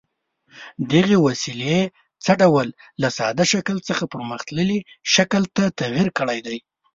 دغې وسیلې څه ډول له ساده شکل څخه پرمختللي شکل ته تغیر کړی دی؟